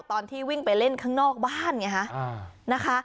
บางทีวิ่งไปเล่นข้างนอกบ้านไงฮะ